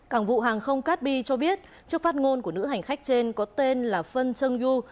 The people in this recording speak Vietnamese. cảng vụ hàng không cát bi cho biết trước phát ngôn của nữ hành khách trên có tên là phân chang yu